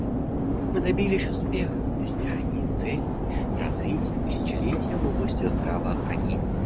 Мы добились успеха в достижении Целей развития тысячелетия в области здравоохранения.